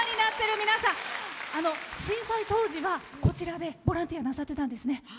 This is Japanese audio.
震災当時は、こちらでボランティアなさってたんですね。